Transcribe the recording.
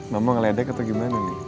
mama ngeledek atau gimana nih